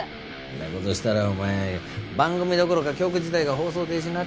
んな事したらお前番組どころか局自体が放送停止になっちまうだろうよ。